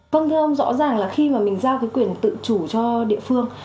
vâng thưa ông rõ ràng là khi mà mình giao cái quyền tự chủ cho địa phương